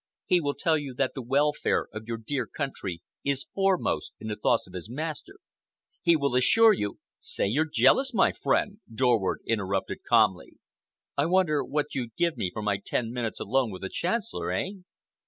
He will tell you that the welfare of your dear country is foremost in the thoughts of his master. He will assure you—" "Say, you're jealous, my friend," Dorward interrupted calmly. "I wonder what you'd give me for my ten minutes alone with the Chancellor, eh?"